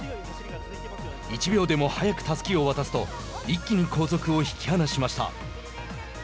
１秒でも早くたすきを渡すと一気に後続を引き離しました。